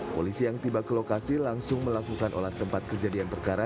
polisi yang tiba ke lokasi langsung melakukan olah tempat kejadian perkara